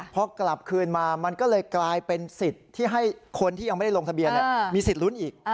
พอกลับคืนมามันก็เลยกลายเป็นสิทธิ์ที่ให้คนที่ยังไม่ได้ลงทะเบียนมีสิทธิ์ลุ้นอีก